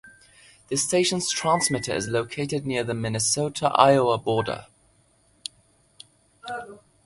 The station's transmitter is located near the Minnesota-Iowa border.